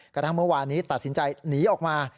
กระทั่งเมื่อวานนี้ตัดสินใจหนีออกมา